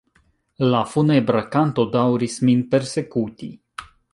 La funebra kanto daŭris min persekuti.